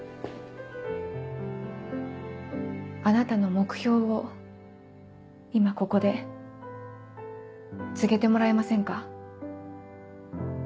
あなたの目標を今ここで告げてもらえませんか？